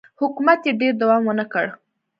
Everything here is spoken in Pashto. حکومت یې ډېر دوام ونه کړ